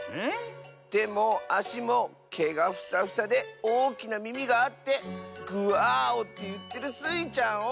てもあしもけがふさふさでおおきなみみがあってグアーオっていってるスイちゃんを！